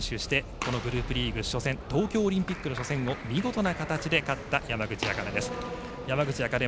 このグループリーグ初戦東京オリンピックの初戦を見事な形で勝った山口茜です。